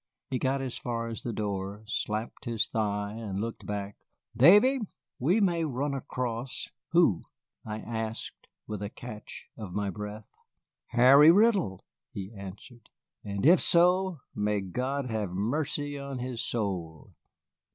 He got as far as the door, slapped his thigh, and looked back. "Davy, we may run across " "Who?" I asked, with a catch of my breath. "Harry Riddle," he answered; "and if so, may God have mercy on his soul!"